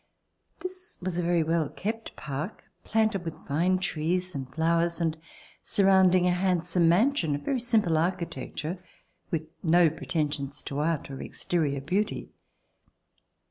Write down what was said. This was a very well kept park, planted with fine trees and flowers, and surrounding a handsome mansion of very simple architecture with no pretentions to art or exterior beauty.